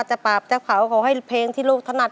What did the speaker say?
ถ้าจะปราบเจ้าขาวก็ขอให้เพลงที่ลูกถนัด